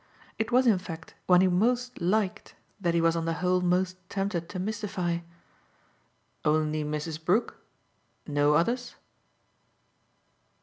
It was in fact when he most liked that he was on the whole most tempted to mystify. "Only Mrs. Brook? no others?"